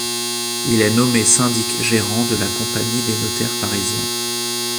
Il est nommé syndic-gérant de la compagnie des notaires parisiens.